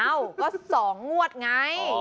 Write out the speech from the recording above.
เอ้าก็สองงวดไง